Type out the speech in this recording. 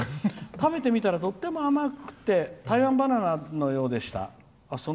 食べてみたら、とっても甘くて台湾バナナのようでした。